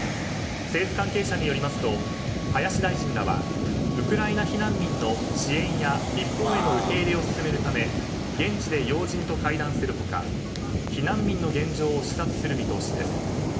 政府関係者によりますと林大臣らはウクライナ避難民の支援や日本への受け入れを進めるため現地で要人と会談する他避難民の現状を視察する見通しです。